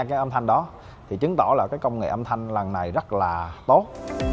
cái âm thanh đó thì chứng tỏ là cái công nghệ âm thanh lần này rất là tốt